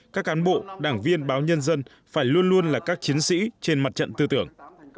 các cán bộ đảng viên báo nhân dân phải luôn luôn là các chiến sĩ trên mặt trận tư tưởng